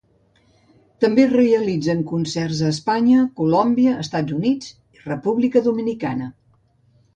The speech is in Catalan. També realitzen concerts a Espanya, Colòmbia, Estats Units i República Dominicana.